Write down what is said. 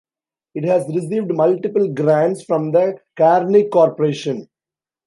It has received multiple grants from the Carnegie Corporation.